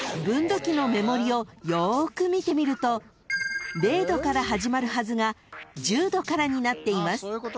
［分度器の目盛りをよーく見てみると０度から始まるはずが１０度からになっています］